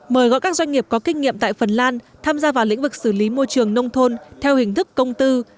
mời gọi các doanh nghiệp có kinh nghiệm tại phần lan tham gia vào lĩnh vực xử lý môi trường nông thôn theo hình thức công tư